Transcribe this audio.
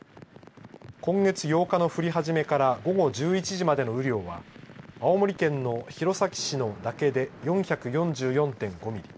今月８日の降り始めから午後１１時までの雨量は青森県の弘前市の岳で４４４．５ミリ